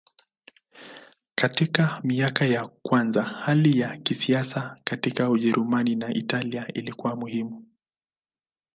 Katika miaka ya kwanza hali ya kisiasa katika Ujerumani na Italia ilikuwa muhimu.